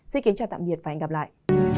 xin kính chào tạm biệt và hẹn gặp lại